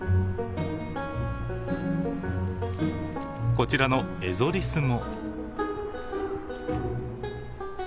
こちらのエゾリスも。